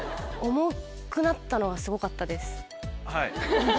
重くなったのはすごかったです。